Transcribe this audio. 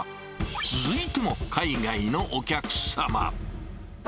続いても、海外のお客様。